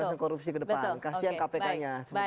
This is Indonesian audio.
jangan korupsi ke depan kasian kpk nya